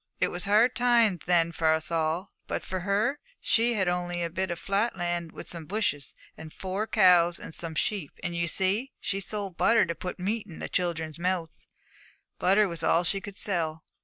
It was hard times then for us all, but for her, she only had a bit of flat land with some bushes, and four cows and some sheep, and, you see, she sold butter to put meat in the children's mouths. Butter was all she could sell.